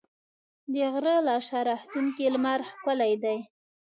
د غره له شا راختونکی لمر ښکلی دی.